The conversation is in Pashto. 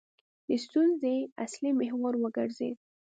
د ستونزې اصلي محور وګرځېد.